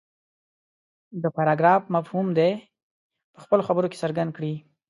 د پراګراف مفهوم دې په خپلو خبرو کې څرګند کړي.